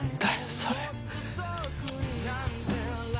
それ。